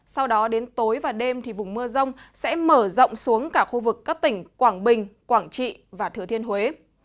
sau đó đến tối và đêm thì vùng mưa rông sẽ mở rộng xuống cả khu vực các tỉnh quảng bình quảng trị và thừa thiên huế